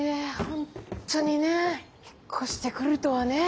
本当にね引っ越してくるとはね。